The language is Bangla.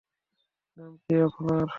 নাম কী আপনার?